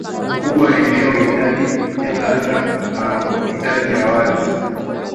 ukubwa wa eneo idadi ya kata na idadi ya watu